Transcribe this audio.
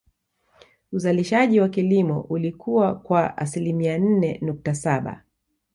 Uzalishaji wa kilimo ulikua kwa asilimia nne nukta Saba